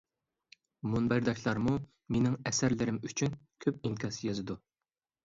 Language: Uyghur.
مۇنبەرداشلارمۇ مىنىڭ ئەسەرلىرىم ئۈچۈن كۆپ ئىنكاس يازىدۇ.